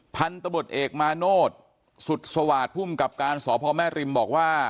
พันธบทเอกมาโนธสุดสวาสภูมิกับการสพแม่ริมบอกว่า